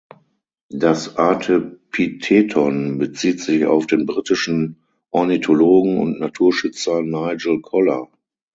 Das Artepitheton bezieht sich auf den britischen Ornithologen und Naturschützer Nigel Collar.